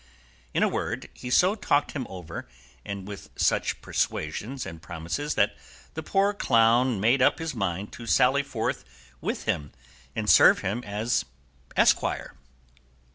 In a word, he so talked him over, and with such persuasions and promises, that the poor clown made up his mind to sally forth with him and serve him as esquire.